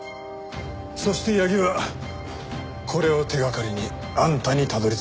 そして矢木はこれを手掛かりにあんたにたどり着いた。